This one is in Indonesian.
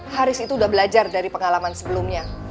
haris itu sudah belajar dari pengalaman sebelumnya